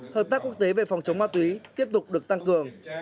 hợp tác quốc tế về phòng chống ma túy tiếp tục được tăng cường